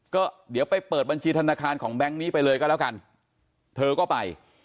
ก็เดี๋ยวไปเปิดบัญชีธนาคารของแบงค์นี้ไปเลยก็แล้วกันเธอก็ไป